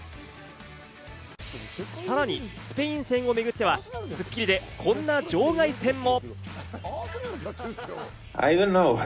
さらにスペイン戦をめぐっては『スッキリ』でこんな場外戦も。